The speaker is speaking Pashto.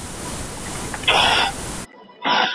دې بېدردو ته به ولي د ارمان کیسه کومه